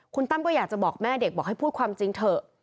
คุณตั้มก็อยากจะบอกแม่เด็กบอกให้พูดความจริงเถอะ